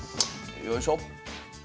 よいしょ。